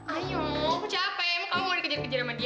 ayo aku capek emang kamu mau dikejar kejar sama dia